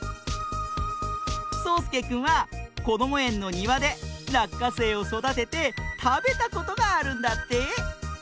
そうすけくんはこどもえんのにわでらっかせいをそだててたべたことがあるんだって。